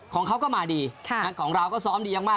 ของเขาก็มาดีของเราก็ซ้อมดีมาก